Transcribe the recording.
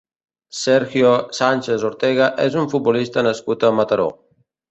Sergio Sánchez Ortega és un futbolista nascut a Mataró.